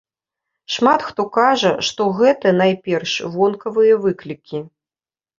Шмат хто кажа, што гэта, найперш, вонкавыя выклікі.